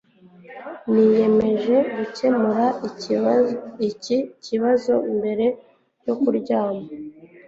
Niyemeje gukemura iki kibazo mbere yo kuryama